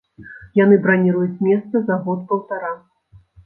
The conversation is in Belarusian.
Яны браніруюць месца за год-паўтара.